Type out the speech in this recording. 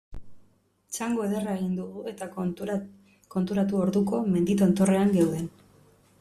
Txango ederra egin dugu eta konturatu orduko mendi tontorrean geunden.